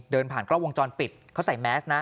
เดินผ่านกล้องวงจรปิดเขาใส่แมสนะ